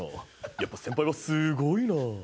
やっぱ先輩はすごいな。